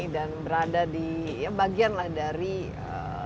dan berada di ya bagian lah dari sebuah